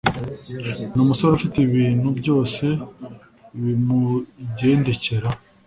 numusore ufite ibintu byose bimugendekera